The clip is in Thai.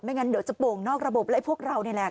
งั้นเดี๋ยวจะโป่งนอกระบบและพวกเรานี่แหละ